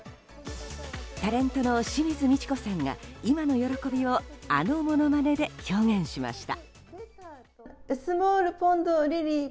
タレントの清水ミチコさんが今の喜びをあの物まねで表現しました。